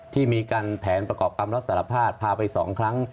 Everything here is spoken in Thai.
ที่มีการแผนประกอบกรรมและสารภาษณ์พาไปสองครั้ง